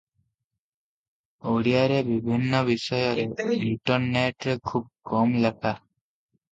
ଓଡ଼ିଆରେ ବିଭିନ୍ନ ବିଷୟରେ ଇଣ୍ଟରନେଟରେ ଖୁବ କମ ଲେଖା ।